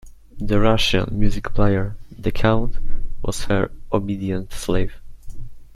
The Russian music player, the Count, was her obedient slave.